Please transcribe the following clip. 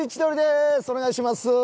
お願いします。